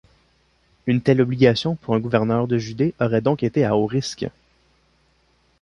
Une telle obligation pour un gouverneur de Judée aurait donc été à haut risque.